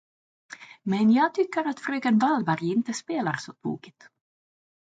Men jag tycker att fröken Wahlberg inte spelar så tokigt.